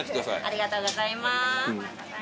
ありがとうございます。